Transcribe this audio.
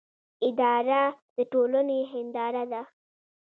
اداره د ټولنې هنداره ده